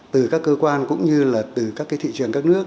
từ các cơ quan cũng như là từ các cái thị trường các nước